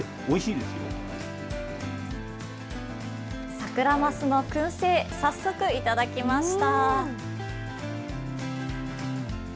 サクラマスのくん製、早速頂きました。